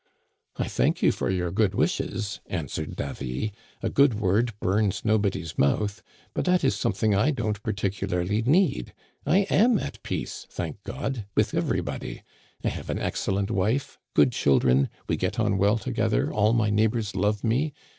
"'I thank you for your good wishes,* answered Davy ;* a good word bums nobody's mouth. But that is something I don*t particularly need. I am at peace, thank God, with everybody. I have an excellent wife, good children, we get on well together, all my neighbors love me.